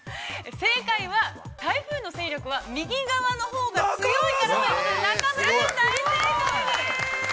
正解は、台風の勢力は、右側のほうが強いからということで、中村さん、大正解です。